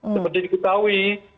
seperti yang diketahui